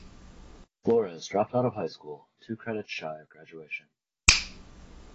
Flores dropped out of high school two credits shy of graduation.